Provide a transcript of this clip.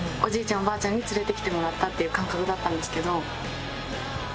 おばあちゃんに連れてきてもらったっていう感覚だったんですけどなんかあれですね。